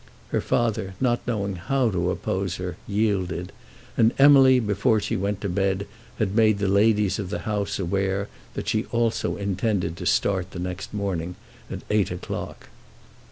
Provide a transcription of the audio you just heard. Her father, not knowing how to oppose her, yielded, and Emily before she went to bed had made the ladies of the house aware that she also intended to start the next morning at eight o'clock.